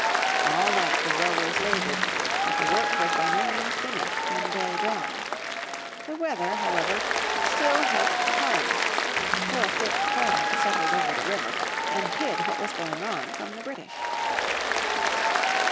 All night the rowers laboured, but the work was by no means finished when day dawned. The weather, however, still helped the colonists, for a thick fog settled over the river and hid what was going on from the British.